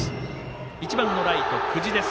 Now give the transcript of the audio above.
１番のライト、久慈です。